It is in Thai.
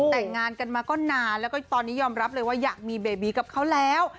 แต่งงานกันมาก็นานแล้วก็ตอนนี้ยอมรับเลยว่าอยากมีเบบีกับเขาแล้ว